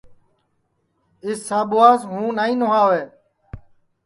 اِس ساٻواس ہوں نائی نھواوے